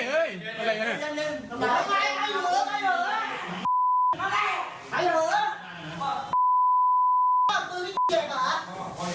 ดูแต่ใหญ่